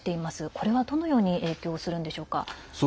これはどのように影響するんでしょうか。